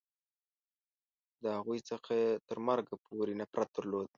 د هغوی څخه یې تر مرګه پورې نفرت درلود.